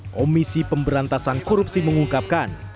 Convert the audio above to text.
komisi pemberantasan korupsi mengungkapkan